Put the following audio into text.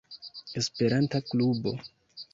Esperanta klubo.